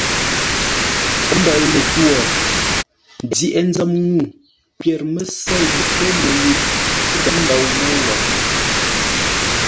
Mbəʉ mətwô, ndyəghʼ-nzəm ŋuu pyêr mə́ sêi pə̂ məyʉʼ ndôu môu wei.